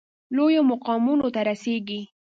لویو مقامونو ته رسیږي.